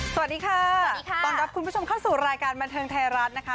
สวัสดีค่ะสวัสดีค่ะต้อนรับคุณผู้ชมเข้าสู่รายการบันเทิงไทยรัฐนะคะ